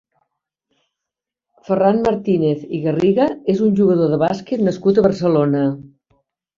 Ferran Martínez i Garriga és un jugador de bàsquet nascut a Barcelona.